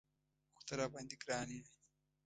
خو ته راباندې ګران یې.